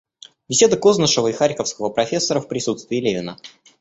Беседа Кознышева и харьковского профессора в присутствии Левина.